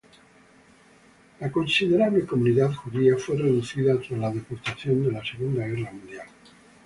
La considerable comunidad judía fue reducida tras la deportación de la Segunda Guerra Mundial.